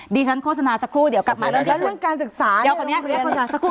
ดิฉันโฆษณาสักครู่เดี๋ยวกลับมาวันนี้เรื่องการศึกษาเดี๋ยวขออนุญาตโฆษณาสักครู่